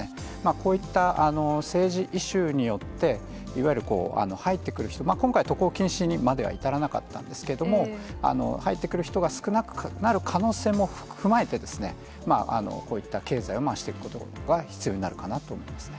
こういった政治イシューによって、いわゆる入ってくる人、今回、渡航禁止にまでは至らなかったんですけども、入ってくる人が少なくなる可能性も踏まえて、こういった経済を回していくことが必要になるかなと思いますね。